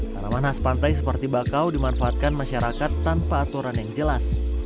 tanaman khas pantai seperti bakau dimanfaatkan masyarakat tanpa aturan yang jelas